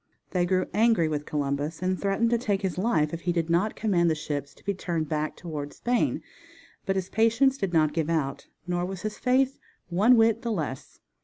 They grew angry with Columbus, and threatened to take his life if he did not command the ships to be turned back toward Spain, but his patience did not give out, nor was his faith one whit the less.